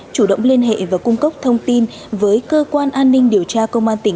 chủ động liên hệ và cung cốc thông tin với cơ quan an ninh điều tra công an tp hà giang